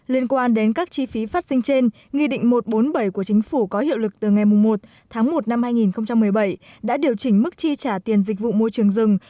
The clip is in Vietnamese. liên quan đến các chi phí phát sinh trên nghị định một trăm bốn mươi bảy của chính phủ có hiệu lực từ ngày một tháng một năm hai nghìn một mươi bảy đã điều chỉnh mức chi trả tiền dịch vụ môi trường rừng